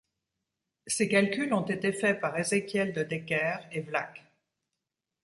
Ces calculs ont été faits par Ezechiel de Decker et Vlacq.